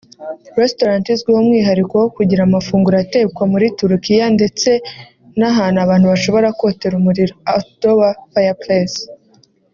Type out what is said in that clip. restaurant izwiho umwihariko wo kugira amafunguro atekwa muri Turikiya ndetse n’ahantu abantu bashobora kotera umuriro (Outdoor fireplace)